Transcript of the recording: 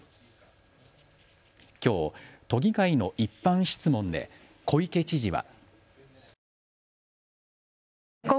きょう、都議会の一般質問で小池知事は。